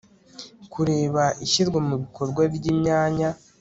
kureba ishyirwa mu bikorwa ry imyanya